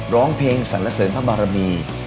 ร้องเพลงสรรเสริญพระบารมี